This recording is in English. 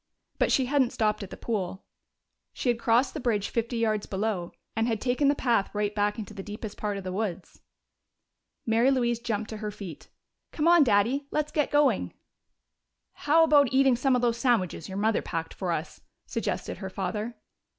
But she hadn't stopped at the pool; she had crossed the bridge fifty yards below and had taken the path right back into the deepest part of the woods. Mary Louise jumped to her feet. "Come on, Daddy! Let's get going!" "How about eating some of those sandwiches your mother packed for us?" suggested her father.